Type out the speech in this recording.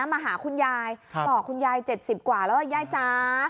มาหาคุณยายต่อคุณยาย๗๐กว่าแล้วยายจ๋า